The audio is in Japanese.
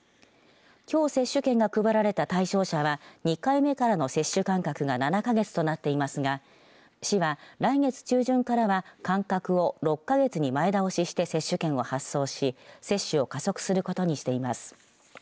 きょう接種券が配られた対象者は２回目からの接種間隔が７か月となっていますが市は、来月中旬からは間隔を６か月に前倒しして接種券を発送し接種を加速することにしています。